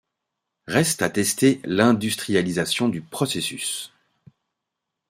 Reste à tester l'industrialisation du processus.